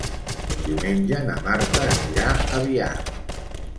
Diumenge na Marta anirà a Biar.